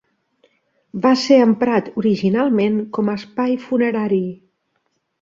Va ser emprat, originalment, com a espai funerari.